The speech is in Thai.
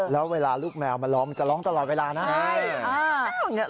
แล้วเวลาลูกแมวมาร้องจะร้องตลอดเวลานะ